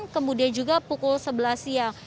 kemudian juga pukul sebelas siang